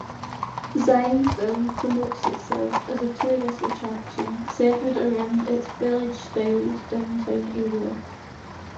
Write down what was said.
Zionsville promotes itself as a tourist attraction, centered around its village-styled downtown area.